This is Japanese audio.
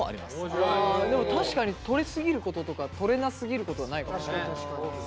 でも確かに取りすぎることとか取れなすぎることないかもね。